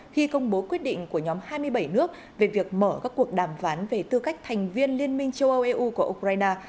khi công bố quyết định của nhóm hai mươi bảy nước về việc mở các cuộc đàm phán về tư cách thành viên liên minh châu âu eu của ukraine